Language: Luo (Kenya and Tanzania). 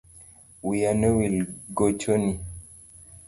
Wia nowil gochoni